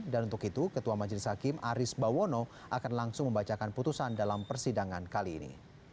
dan untuk itu ketua majelis hakim aris bawono akan langsung membacakan putusan dalam persidangan kali ini